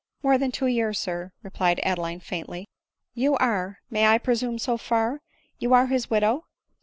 u More than two years, sir," replied Adeline faintly. " You are — may I presume so far — you are his widow